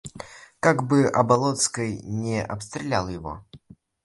Как бы Облонский не обстрелял его?